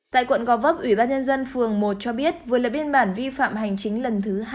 tại quận gò vấp ủy ban nhân dân phường một cho biết vừa là biên bản vi phạm hành chính lần thứ hai